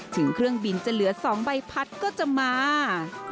ถึงเครื่องบินจะเหลือ๒ใบพัดก็จะมา